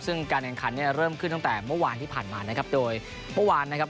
ซึ่งการแข่งขันเนี่ยเริ่มขึ้นตั้งแต่เมื่อวานที่ผ่านมานะครับโดยเมื่อวานนะครับ